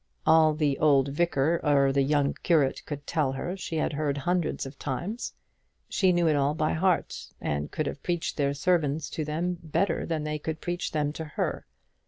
All the old vicar or the young curate could tell she had heard hundreds of times. She knew it all by heart, and could have preached their sermons to them better than they could preach them to her.